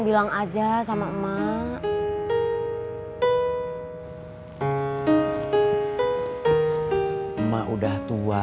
bilang aja sama emak